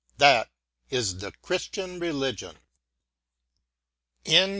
That is the Christian religion.